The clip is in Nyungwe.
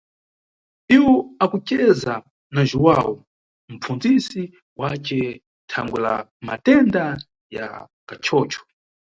Iwo akuceza na Jhuwawu, mʼpfundzisi wace thangwe la matenda ya kachocho.